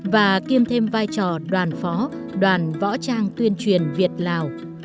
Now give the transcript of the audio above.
và kiêm thêm vai trò đoàn phó đoàn võ trang tuyên truyền việt lào